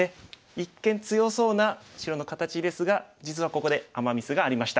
一見強そうな白の形ですが実はここでアマ・ミスがありました。